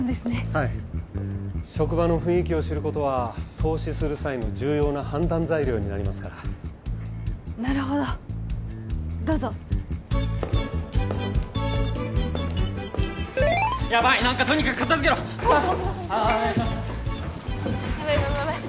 はい職場の雰囲気を知ることは投資する際の重要な判断材料になりますからなるほどどうぞヤバい何かとにかく片付けろああお願いします